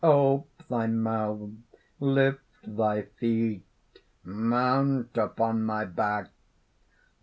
"Ope thy mouth, lift thy feet mount upon my back!"